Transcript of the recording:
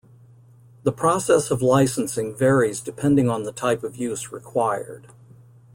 The process of licensing varies depending on the type of use required.